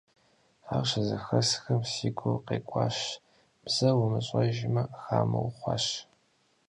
Ар щызэхэсхым, си гур къекӀуащ, бзэр умыщӀэжмэ, хамэ ухъуащ.